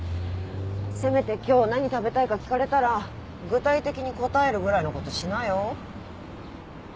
せめて今日何食べたいか聞かれたら具体的に答えるぐらいのことしなよ？